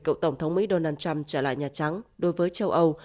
cựu tổng thống mỹ donald trump trả lại nhà trắng đối với châu âu